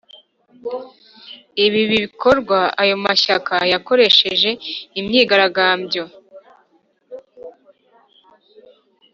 Ibibi bikorwa ayo mashyaka yakoresheje imyigaragambyo